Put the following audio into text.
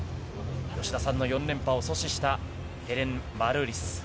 吉田さんの４連覇を阻止したヘレン・マルーリス。